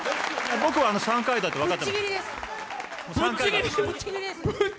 僕は３回だって分かってました。